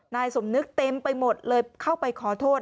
นายสมนึกเต็มไปหมดเลยเข้าไปขอโทษ